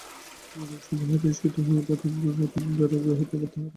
রোগসেবা হইতে নিষ্কৃতি পাইয়া রতন দ্বারের বাহিরে আবার তাহার স্বস্থান অধিকার করিল।